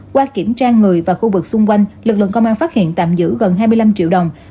qua kiểm tra người và khu vực xung quanh lực lượng công an phát hiện tạm giữ gần hai mươi năm triệu đồng